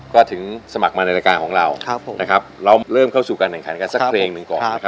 ก็ถึงสมัครมาในรายการของเราเราเริ่มเข้าสู่การแผ่นการกันสักแคงก่อน